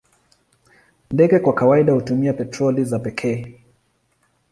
Ndege kwa kawaida hutumia petroli za pekee.